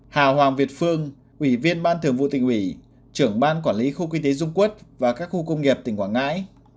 hà hoàng việt phương ủy viên ban thường vụ tỉnh ủy trưởng ban quản lý khu kinh tế dung quốc và các khu công nghiệp tỉnh quảng ngãi